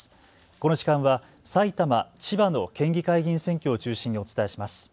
この時間は埼玉、千葉の県議会議員選挙を中心にお伝えします。